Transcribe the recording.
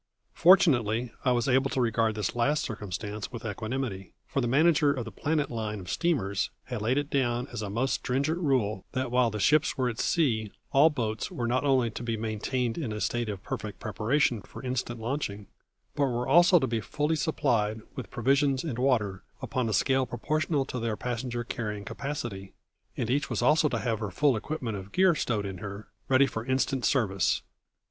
Fortunately, I was able to regard this last circumstance with equanimity, for the manager of the Planet Line of steamers had laid it down as a most stringent rule that while the ships were at sea all boats were not only to be maintained in a state of perfect preparation for instant launching, but were also to be fully supplied with provisions and water upon a scale proportional to their passenger carrying capacity, and each was also to have her full equipment of gear stowed in her, ready for instant service.